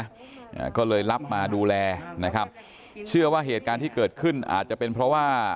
อ่าก็เลยรับมาดูแลนะครับเชื่อว่าเหตุการณ์ที่เกิดขึ้นอาจจะเป็นเพราะว่า